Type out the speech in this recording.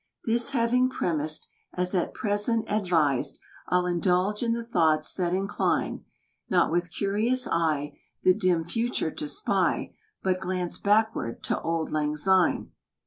This having premised As at present advised, I'll indulge in the thoughts that incline, Not with curious eye The dim future to spy, But glance backward to "Auld Lang Syne."